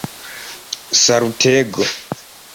salutego